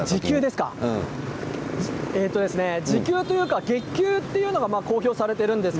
時給というか月給というのが公表されています。